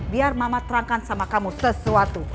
biar mama terangkan sama kamu sesuatu